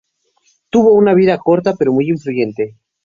Tuvo una vida corta, pero muy influyente.